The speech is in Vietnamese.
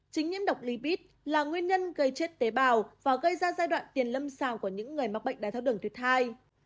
chính nhiễm độc lipid là nguyên nhân gây chết tế bào và gây ra giai đoạn tiền lâm xào của những người mắc bệnh đai thác đường tuyết thai